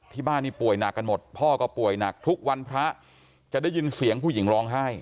ที่บ้านนี่ป่วยหนักกันหมดพ่อก็ป่วยหนักทุกวันพระจะได้ยินเสียงผู้หญิงร้องไห้